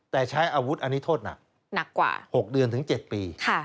แต่ใช้อาวุธอันนี้โทษหนัก๖เดือนถึง๗ปี